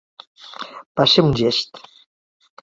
Va ser un gest.